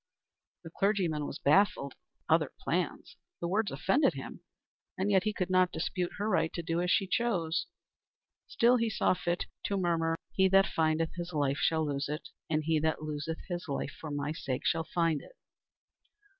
The clergyman was baffled. Other plans! The words offended him, and yet he could not dispute her right to do as she chose. Still he saw fit to murmur: "He that findeth his life shall lose it, and he that loseth his life for my sake shall find it."